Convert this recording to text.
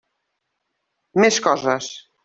Més coses.